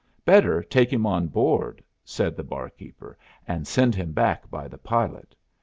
"Better take him on board," said the barkeeper, "and send him back by the pilot.